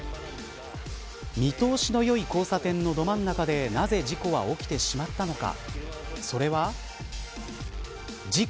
見通しのよい交差点のど真ん中でなぜ事故が起きてしまったのか。